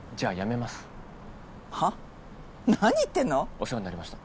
お世話になりました。